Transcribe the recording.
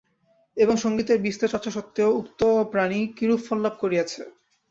এবং সংগীতের বিস্তর চর্চাসত্ত্বেও উক্ত প্রাণী কিরূপ ফললাভ করিয়াছে।